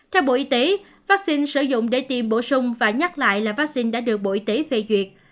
theo bộ y tế vaccine sử dụng để tiêm bổ sung và nhắc lại là vaccine đã được bộ y tế phê duyệt